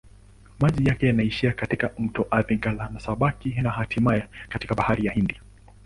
Maji yake yanaishia katika mto Athi-Galana-Sabaki na hatimaye katika Bahari ya Hindi.